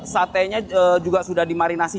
satenya juga sudah dimarinasi